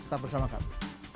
tetap bersama kami